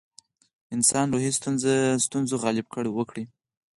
انسانان روحي ستونزو غلبه وکړي.